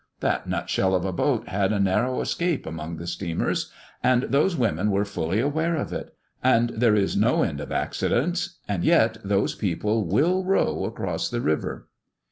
That nut shell of a boat had a narrow escape among the steamers, and those women were fully aware of it; and there is no end of accidents, and yet those people will row across the river.